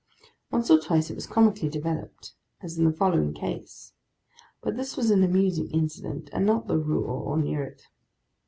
Once or twice it was comically developed, as in the following case; but this was an amusing incident, and not the rule, or near it.